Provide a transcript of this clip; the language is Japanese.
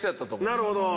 なるほど。